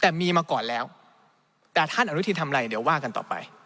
แต่มีมาก่อนแล้วแต่ท่านอนุญาตชีนชายบริกูลทำอะไรเดี๋ยวว่ากันต่อไป